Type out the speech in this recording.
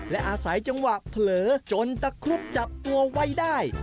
และอาศัยจังหวะเผลอจนตะครุบจับตัวไว้ได้